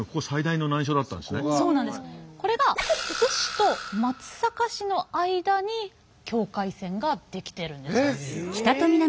これが津市と松阪市の間に境界線ができてるんです。